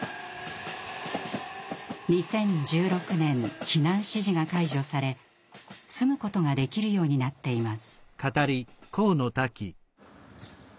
２０１６年避難指示が解除され住むことができるようになっています。